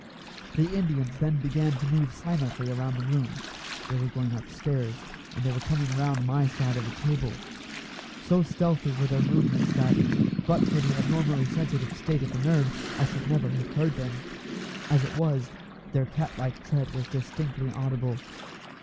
The Indians then began to move silently around the room; they were going upstairs, and they were coming round my side of the table. So stealthy were their movements that, but for the abnormally sensitive state of the nerves, I should never have heard them. As it was, their cat like tread was distinctly audible.